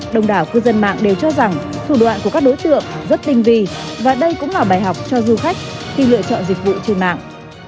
đồng đảo cư dân mạng đều cho rằng thủ đoạn của các đối tượng rất tinh vi và đây cũng là bài học cho du khách khi lựa chọn dịch vụ trên mạng